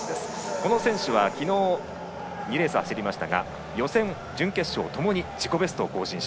この選手は昨日２レース走りましたが予選、準決勝ともに自己ベスト更新。